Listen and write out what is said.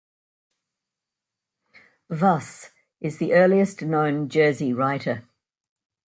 Wace is the earliest known Jersey writer.